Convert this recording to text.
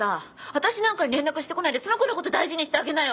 私なんかに連絡してこないでその子の事大事にしてあげなよ。